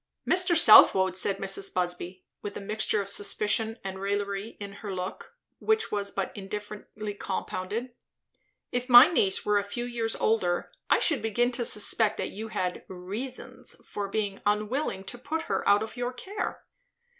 "Mr. Southwode," said Mrs. Busby, with a mixture of suspicion and raillery in her look, which was but indifferently compounded, "if my niece were a few years older, I should begin to suspect that you had reasons for being unwilling to put her out of your care."